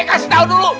kasih tahu dulu